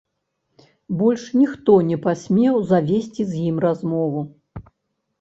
Больш ніхто не пасмеў завесці з ім размову.